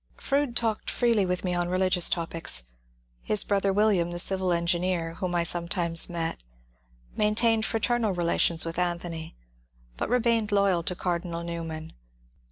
Froude talked freely with me on religious topics. His brother William, the civil engineer, whom I sometimes met, maintained fraternal relations with Anthony, but remained loyal to Cardinal Newman.